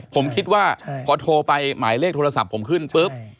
ผมคิดว่าพอโทรไปหมายเลขโทรศัพท์ผมขึ้นปุ๊บ